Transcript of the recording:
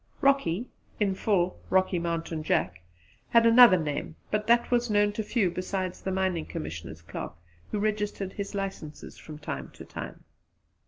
Rocky in full, Rocky Mountain Jack had another name, but it was known to few besides the Mining Commissioner's clerk who registered his licences from time to time.